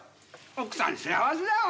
奥さん幸せだよ